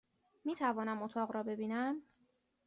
میتوانم اتاق را ببینم؟